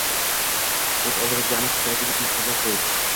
o‘z oldimizga aniq strategik maqsadlar qo‘yib